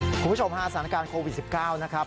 คุณผู้ชมฮาสถานการณ์โควิด๑๙นะครับ